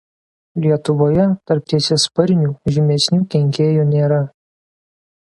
Lietuvoje tarp tiesiasparnių žymesnių kenkėjų nėra.